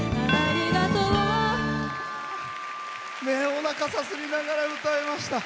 おなかさすりながら歌いました。